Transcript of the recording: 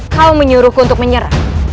kau menyuruhku untuk menyerah